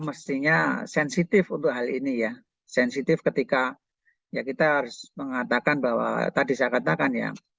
mestinya sensitif untuk hal ini ya sensitif ketika ya kita harus mengatakan bahwa tadi saya katakan ya